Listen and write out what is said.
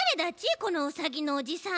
このウサギのおじさん。